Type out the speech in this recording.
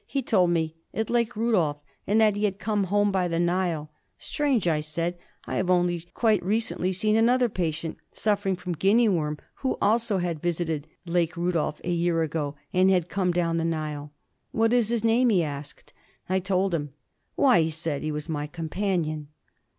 He told me at Lake Rudolf, and that he had come home by the Nile. " Strange," I said, I have only quite recently seen another patient, suffering from Guinea worm, who also had visited Lake Rudolf a year ago, and had come down the Nile.'* "What is his name ?" he asked. I told him. Why," he said, "he was my companion."